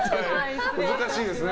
難しいですね。